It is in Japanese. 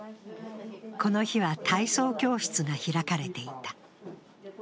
この日は体操教室が開かれていた。